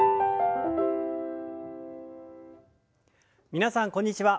皆さんこんにちは。